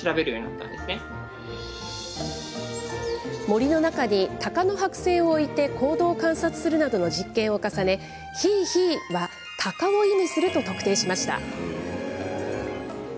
森の中に、タカの剥製を置いて、行動を観察するなどの実験を重ね、ヒーヒーはタカを意味すると特定しました。